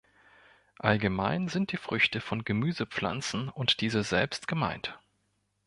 Allgemein sind die Früchte von Gemüsepflanzen und diese selbst gemeint.